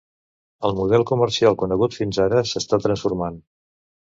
El model comercial conegut fins ara s'està transformant.